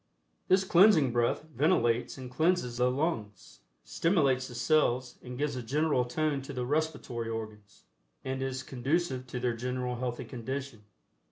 This Cleansing Breath ventilates and cleanses the lungs, stimulates the cells and gives a general tone to the respiratory organs, and is conducive to their general healthy condition.